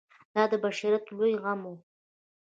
دا د بشریت لوی غم و.